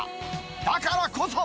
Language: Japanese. だからこそ。